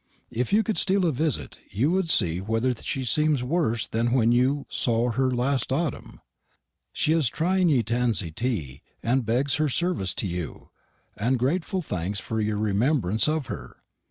If you cou'd stele a visitt you wou'd see wether she semes worse than whenn you sor her last ortumm; she is trieing ye tansy tea; and beggs her service to you, and greatfull thanks for y'r rememberence of her.